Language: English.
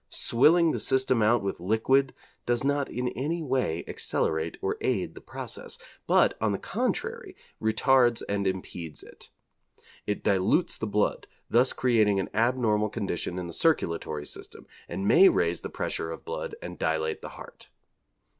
Swilling the system out with liquid does not in any way accelerate or aid the process, but, on the contrary, retards and impedes it. It dilutes the blood, thus creating an abnormal condition in the circulatory system, and may raise the pressure of blood and dilate the heart.